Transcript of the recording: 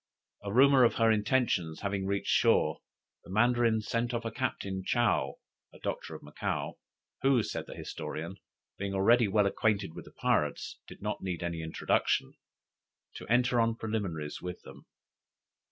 A rumor of her intentions having reached shore, the Mandarin sent off a certain Chow, a doctor of Macao, "Who," says the historian, "being already well acquainted with the pirates, did not need any introduction," to enter on preliminaries with them.